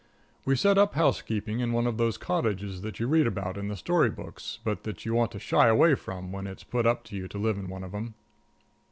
We set up housekeeping in one of those cottages that you read about in the story books, but that you want to shy away from, when it's put up to you to live in one of them.